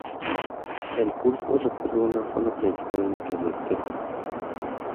El curso recorre una zona principalmente de estepa.